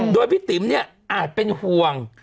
โดยพี่ติ๋มเนี่ยอาจเป็นห่วง